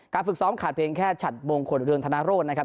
ฝึกซ้อมขาดเพียงแค่ฉัดมงคลเรืองธนโรธนะครับ